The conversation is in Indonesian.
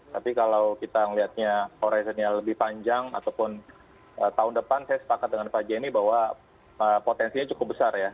tapi kalau kita melihatnya korea selatannya lebih panjang ataupun tahun depan saya sepakat dengan pak jenny bahwa potensinya cukup besar ya